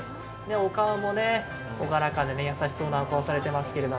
お顔も朗らかで、優しそうなお顔されてますけど。